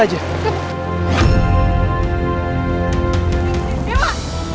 dia mau ketemu aku